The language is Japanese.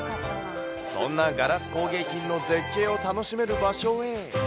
そんなガラス工芸品の絶景を楽しめる場所へ。